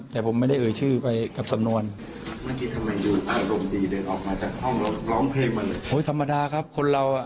แต่ผมไม่ได้เอ่ยชื่อไปกับสำนวน